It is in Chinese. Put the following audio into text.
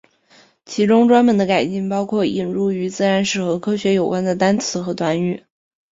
其中专门的改进包括引入与自然史和科学有关的单词和短语。